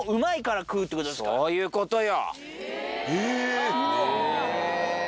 そういうことよ。